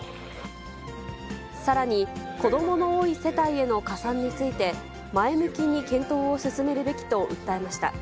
さらに、子どもの多い世帯への加算について、前向きに検討を進めるべきと訴えました。